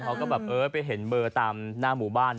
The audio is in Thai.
เขาก็ไปเห็นเปอร์ตามหน้าหมู่บ้าน